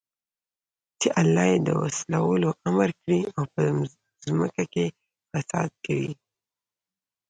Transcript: چې الله ئې د وصلَولو امر كړى او په زمكه كي فساد كوي